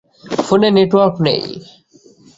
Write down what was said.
ফোনে নেটওয়ার্ক নেই!